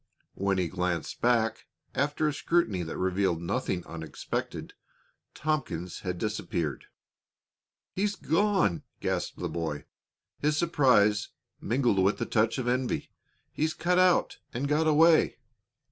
When he glanced back, after a scrutiny that revealed nothing unexpected, Tompkins had disappeared. "He's gone!" gasped the boy, his surprise mingled with a touch of envy. "He's cut out and got away!"